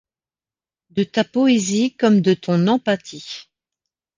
De ta poésie comme de ton empathie.